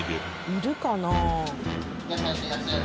いるかな？